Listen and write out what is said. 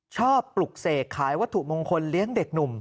ปลุกเสกขายวัตถุมงคลเลี้ยงเด็กหนุ่ม